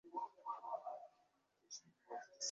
هذا جناه أبي علي وما جنيت علی أحد